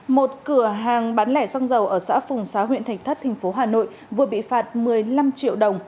một cửa hàng bán lẻ xong dầu ở xã phùng xá huyện thạch thất thành phố hà nội vừa bị phạt một mươi năm triệu đồng